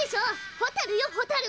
ホタルよホタル！